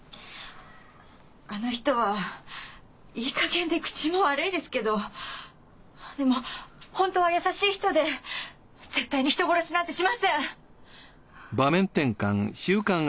あの人はいいかげんで口も悪いですけどでも本当は優しい人で絶対に人殺しなんてしません！